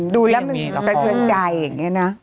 ดูแล้วมันสะเทือนใจอย่างนี้นะ